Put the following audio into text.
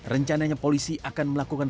rencananya polisi akan melakukan